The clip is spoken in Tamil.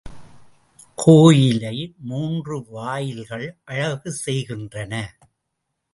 கோயிலை மூன்று வாயில்கள் அழகு செய்கின்றன.